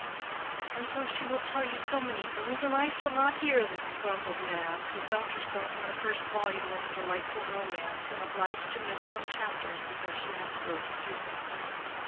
"And she will tell you so many things and I shall not hear them," grumbled Mab, who felt herself in the first volume of a delightful romance and obliged to miss some chapters because she had to go to pupils.